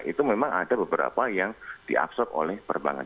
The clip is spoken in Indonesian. itu memang ada beberapa yang diabsorb oleh perbankan